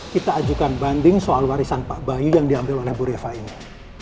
kita ajukan banding soal warisan pak bayu yang diambil oleh bu rifa ini